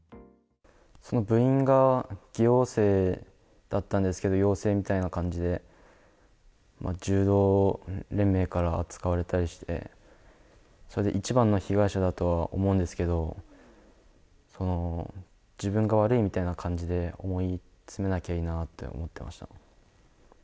その部員が疑陽性だったんですけど、陽性みたいな感じで柔道連盟から扱われたりして、それで一番の被害者だとは思うんですけど、自分が悪いみたいな感じで思いつめなきゃいいなと思ってました。